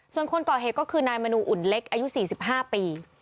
ส่วนคนก่อเหตุก็คือนายมนูอุ่นเล็กอายุ๔๕ปี